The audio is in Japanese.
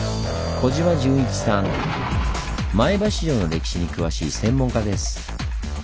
前橋城の歴史に詳しい専門家です。